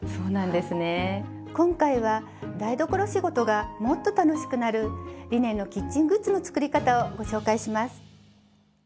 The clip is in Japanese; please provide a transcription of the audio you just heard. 今回は台所仕事がもっと楽しくなるリネンのキッチングッズの作り方をご紹介します。